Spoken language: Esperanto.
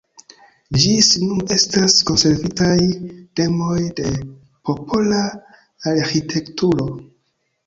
Ĝis nun estas konservitaj domoj de popola arĥitekturo.